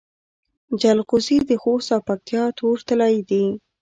جلغوزي د خوست او پکتیا تور طلایی دي